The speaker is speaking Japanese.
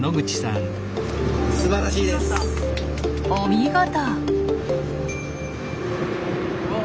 お見事！